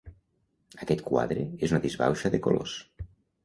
Aquest quadre és una disbauxa de colors.